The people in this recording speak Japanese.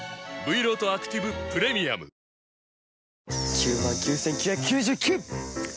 ◆９万９９９９。